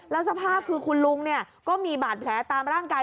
แล้วสภาพคือคุณลุงก็มีบาดแผลตามร่างกาย